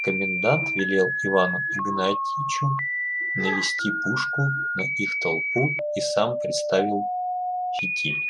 Комендант велел Ивану Игнатьичу навести пушку на их толпу и сам приставил фитиль.